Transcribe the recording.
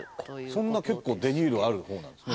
そんな結構デニールある方なんですね。